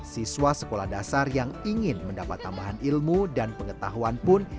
siswa sekolah dasar yang ingin mendapat tambahan ilmu dan pengetahuan pun